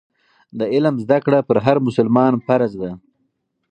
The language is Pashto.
د علم زده کړه په هر مسلمان فرض ده.